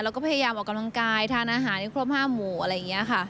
แล้วก็พยายามออกกำลังกายทานอาหารให้ครบ๕หมู่อะไรอย่างนี้ค่ะ